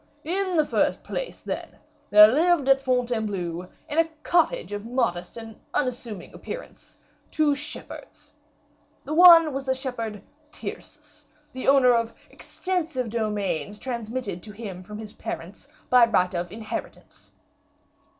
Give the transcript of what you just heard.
"In the first place, then, there lived at Fontainebleau, in a cottage of modest and unassuming appearance, two shepherds. The one was the shepherd Tyrcis, the owner of extensive domains transmitted to him from his parents, by right of inheritance.